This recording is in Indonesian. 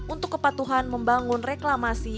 untuk kepatuhan membangun reklamasi